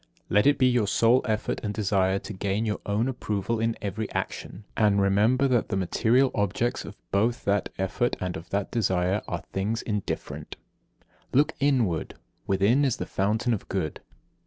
Let it be your sole effort and desire to gain your own approval in every action; and remember that the material objects of both that effort and of that desire are things indifferent. 59. Look inward. Within is the fountain of Good.